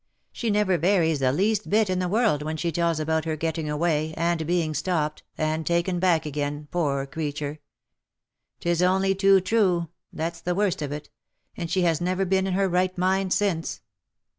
She never varies the least bit in the world when she tells about her getting away, and being stopped, and taken back again, poor cretur. ? Tis only too true, that's the worst of it — and she has never been in her right mind since."